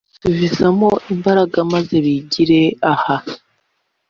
subizemo imbaraga maze bigire ha